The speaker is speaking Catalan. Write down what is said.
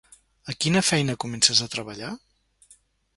A quina feina comences a treballar?